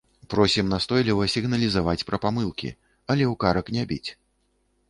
Просім настойліва сігналізаваць пра памылкі, але ў карак не біць.